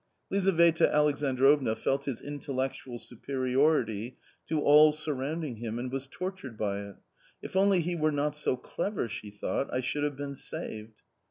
Lizaveta Alexandrovna felt his intellectual superiority to all surrounding him and was tortured by it. " If only he were not so clever," she thought, "I should have been saved."